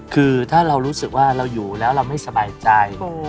คือถ้าเรารู้สึกว่าเราอยู่แล้วเราไม่สบายใจ